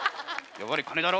やっぱり金だろ？